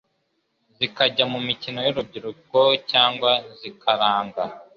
zikajya mu mikino y'urubyiruko cyangwa zikaranga